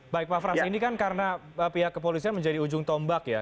baik pak frans ini kan karena pihak kepolisian menjadi ujung tombak ya